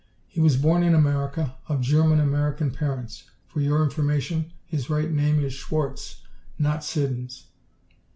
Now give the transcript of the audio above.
He was born in America, of German American parents. For your information, his right name is Schwarz, not Siddons."